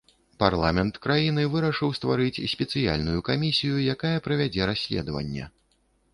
Парламент краіны вырашыў стварыць спецыяльную камісію, якая правядзе расследаванне.